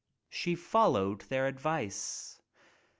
She followed their advice.